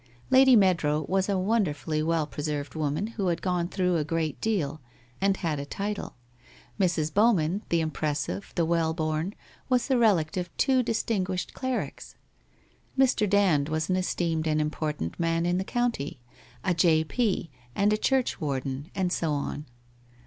Lady Meadrow was a wonderfully well preserved woman who had gone through a great deal, and had a title. Mrs. Bowman, the impressive, the well born, was the relict of two distinguished clerics. Mr. Dand was an esteemed and important man in the county, a J. P. and a church warden and so on.